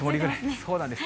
そうなんです。